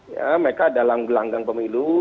ya mereka dalam gelanggang pemilu